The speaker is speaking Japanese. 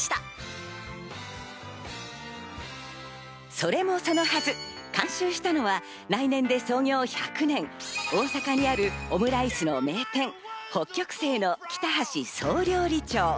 それもそのはず、監修したのは来年で創業１００年、大阪にあるオムライスの名店、北極星の北橋総料理長。